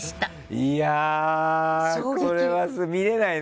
いやあ、これは見れないね